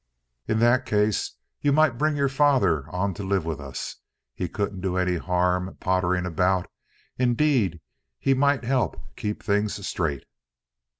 In that case you might bring your father on to live with us. He couldn't do any harm pottering about; indeed, he might help keep things straight."